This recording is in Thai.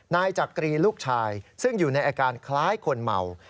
นายจักรีลูกชายซึ่งอยู่ในอาการคล้ายคนเมา